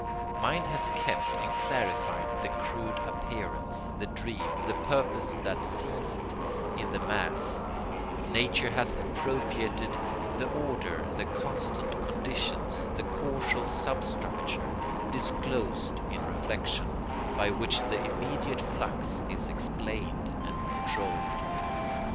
Mind has kept and clarified the crude appearance, the dream, the purpose that seethed in the mass; nature has appropriated the order, the constant conditions, the causal substructure, disclosed in reflection, by which the immediate flux is explained and controlled.